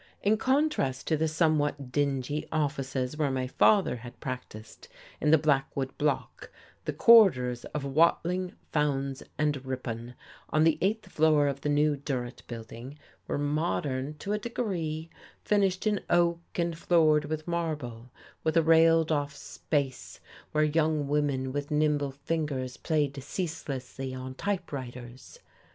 In contrast to the somewhat dingy offices where my father had practised in the Blackwood Block, the quarters of Watling, Fowndes and Ripon on the eighth floor of the new Durrett Building were modern to a degree, finished in oak and floored with marble, with a railed off space where young women with nimble fingers played ceaselessly on typewriters.